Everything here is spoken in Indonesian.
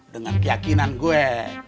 dengan keyakinan gue